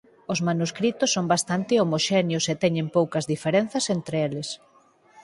Os manuscritos son bastante homoxéneos e teñen poucas diferenzas entre eles.